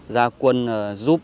ra quân giúp